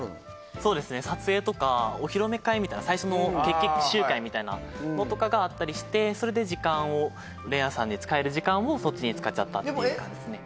そうですね撮影とかお披露目会みたいな最初の決起集会みたいなのとかがあったりしてそれで時間を怜奈さんに使える時間をそっちに使っちゃったっていう感じですねえっ？